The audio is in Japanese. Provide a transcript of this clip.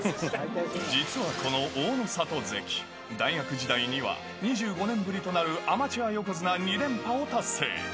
実は、このおおのさと関、大学時代には２５年ぶりとなるアマチュア横綱２連覇を達成。